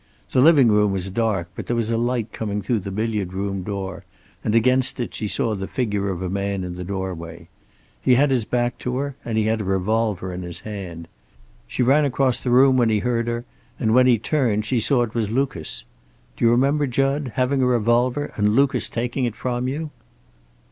The living room was dark, but there was a light coming through the billiard room door, and against it she saw the figure of a man in the doorway. He had his back to her, and he had a revolver in his hand. She ran across the room when he heard her and when he turned she saw it was Lucas. Do you remember, Jud, having a revolver and Lucas taking it from you?"